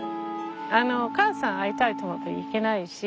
お母さん会いたいと思ってもいけないし